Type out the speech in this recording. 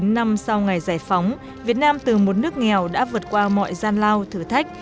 bốn mươi năm năm sau ngày giải phóng việt nam từ một nước nghèo đã vượt qua mọi gian lao thử thách